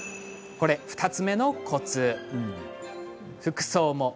これ、２つ目のコツ。